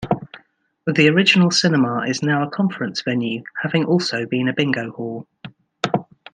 The original cinema is now a conference venue, having also been a bingo hall.